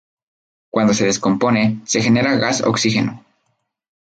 Cuando se descompone, se genera gas oxígeno.